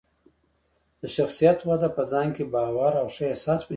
د شخصیت وده په ځان کې باور او ښه احساس پیدا کوي.